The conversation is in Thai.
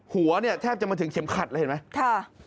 หัวเนี่ยแทบจะมาถึงเข็มขัดเลยเห็นไหม